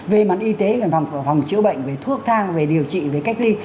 về mặt y tế về phòng chữa bệnh về thuốc thang về điều trị về cách ly